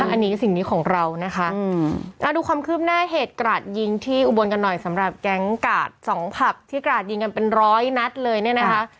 อันนี้สิ่งนี้ของเรานะคะดูความคืบหน้าเหตุกราดยิงที่อุบลกันหน่อยสำหรับแก๊งกาดสองผับที่กราดยิงกันเป็นร้อยนัดเลยเนี่ยนะคะ